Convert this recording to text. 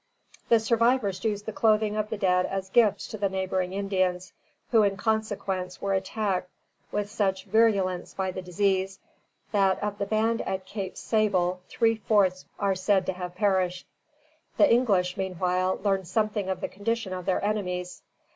_] The survivors used the clothing of the dead as gifts to the neighboring Indians, who in consequence were attacked with such virulence by the disease that of the band at Cape Sable three fourths are said to have perished. The English, meanwhile, learned something of the condition of their enemies.